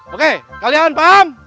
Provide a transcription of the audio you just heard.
oke kalian paham